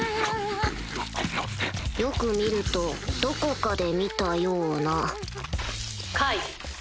よく見るとどこかで見たような解。